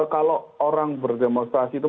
kalau orang berdemonstrasi itu